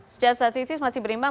secara statistik masih berimbang